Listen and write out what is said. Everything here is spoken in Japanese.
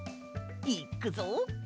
いっくぞ。